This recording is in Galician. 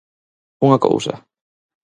Unha cousa.